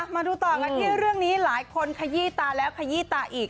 มาดูต่อกันที่เรื่องนี้หลายคนขยี้ตาแล้วขยี้ตาอีก